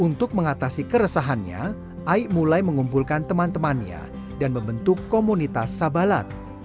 untuk mengatasi keresahannya aik mulai mengumpulkan teman temannya dan membentuk komunitas sabalat